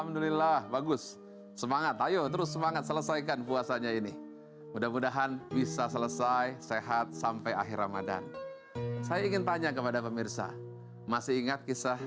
dan menari acai kemuliaan bulan amat